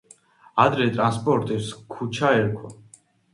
ადრე ტრანსპორტის ქუჩა ერქვა.